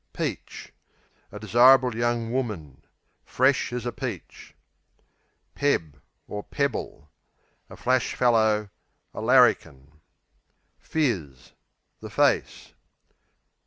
Peach A desirable young woman; "fresh as a peach." Peb (pebble) A flash fellow; a "larrikin." Phiz The face.